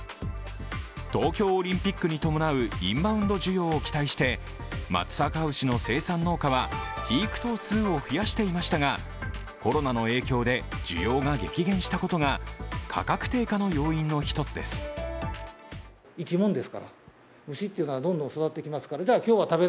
東京オリンピックに伴うインバウンド需要を期待して松阪牛の生産農家は肥育頭数を増やしていましたがコロナの影響で需要が激減したことが価格低下の要因の１つです。